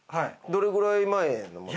どれぐらい前のもの？